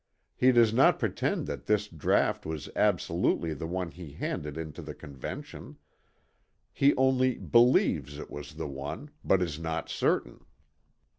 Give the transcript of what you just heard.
He does not pretend that this draught was absolutely the one he handed into the Convention. He only 'believes' it was the one, but is not certain.